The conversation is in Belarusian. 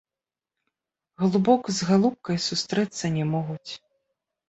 Галубок з галубкай сустрэцца не могуць.